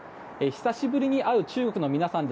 久しぶりに会う中国の皆さん